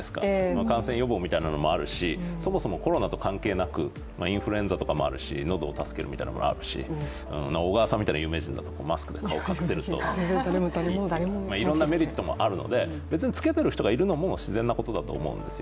感染予防みたいなものもあるしそもそもコロナと関係なくインフルエンザとかもあるし喉を助けるみたいなのがあるし、小川さんみたいな有名人だとマスクで顔を隠せるとかいろんなメリットがあるので別に着けている人がいるのも自然なことだと思うんですよ。